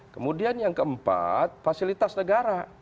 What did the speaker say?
kemudian yang keempat fasilitas negara